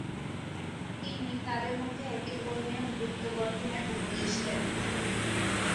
তিনি তাদের মধ্যে একটি ধর্মীয় বৃত্ত গঠনের উপদেশ দেন।